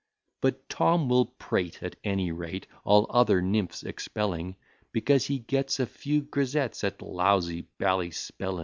But Tom will prate at any rate, All other nymphs expelling: Because he gets a few grisettes At lousy Ballyspellin.